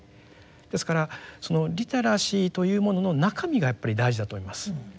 ですからそのリテラシーというものの中身がやっぱり大事だと思います。